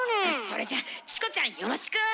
それじゃチコちゃんよろしく！